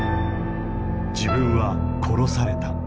自分は殺された。